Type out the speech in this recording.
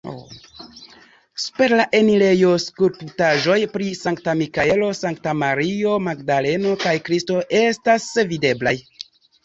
Super la enirejo skulptaĵoj pri Sankta Mikaelo, Sankta Mario Magdaleno kaj Kristo estas videblaj.